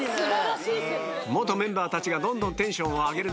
元メンバーたちがどんどんテンションを上げる中